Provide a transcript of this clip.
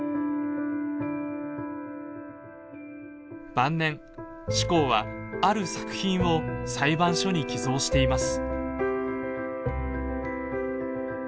晩年志功はある作品を裁判所に寄贈しています。